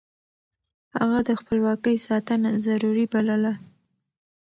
هغه د خپلواکۍ ساتنه ضروري بلله.